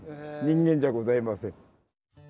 人間じゃございません。